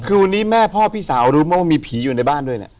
คือวันนี้แม่พ่อพี่สาวรู้ไหมว่ามีผีอยู่ในบ้านด้วยเนี่ย